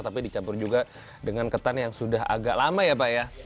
tapi dicampur juga dengan ketan yang sudah agak lama ya pak ya